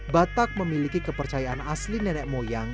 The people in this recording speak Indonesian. batak memiliki kepercayaan asli nenek moyang